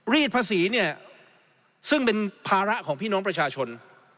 รีดภาษีเนี่ยซึ่งเป็นภาระของพี่น้องประชาชน